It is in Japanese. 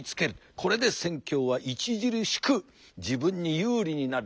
これで戦況は著しく自分に有利になる。